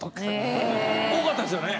多かったですよね？